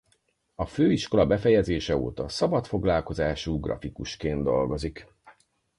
A főiskola befejezése óta szabadfoglalkozású grafikusként dolgozik.